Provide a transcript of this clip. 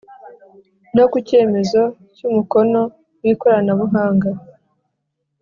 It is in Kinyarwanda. no ku cyemezo cy umukono w ikoranabuhanga